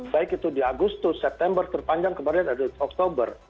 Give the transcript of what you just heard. baik itu di agustus september terpanjang kemarin ada oktober